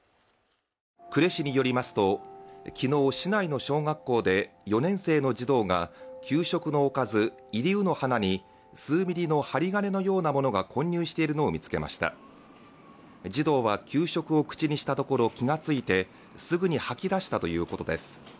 呉市によりますと昨日、市内の小学校で４年生の児童が給食のおかずいり卯の花に数ミリの針金のようなものが混入しているのを見つけました児童は給食を口にしたところを気がついてすぐに吐き出したということです